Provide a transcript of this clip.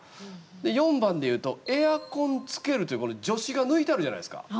４番でいうと「エアコンつける」という助詞が抜いてあるじゃないですか。